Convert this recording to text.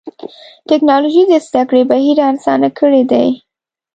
ټکنالوجي د زدهکړې بهیر آسانه کړی دی.